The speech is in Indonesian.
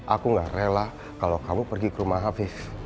aku gak rela kalau kamu pergi ke rumah hafiz